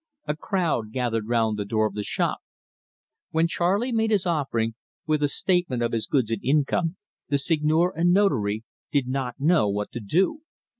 A crowd gathered round the door of the shop. When Charley made his offering, with a statement of his goods and income, the Seigneur and Notary did not know what to do.